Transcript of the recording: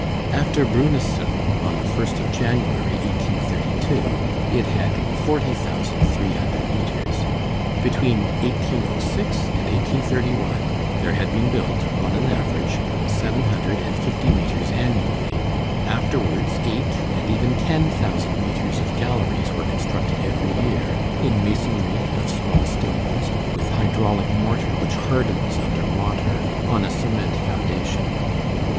After Bruneseau, on the 1st of January, 1832, it had forty thousand three hundred metres. Between 1806 and 1831, there had been built, on an average, seven hundred and fifty metres annually, afterwards eight and even ten thousand metres of galleries were constructed every year, in masonry, of small stones, with hydraulic mortar which hardens under water, on a cement foundation.